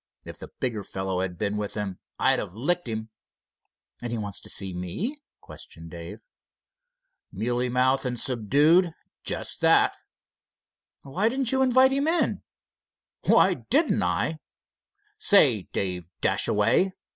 If the bigger fellow had been with him I'd have licked him." "And he wants to see me?" questioned Dave. "Mealy mouthed and subdued, just that." "Why didn't you invite him in?" "Why didn't I? Say, Dave Dashaway!"